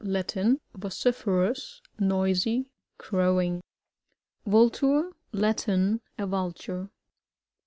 Latin. Vociferous, noisy, crowing. VuLTUR. — Latin. A Vulture.